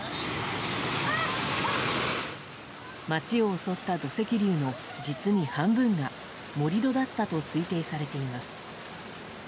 街を襲った土石流の実に半分が盛り土だったと推定されています。